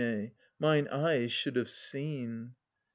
Mine eyes should have seen